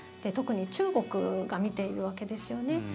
特に中国が見ているわけですよ。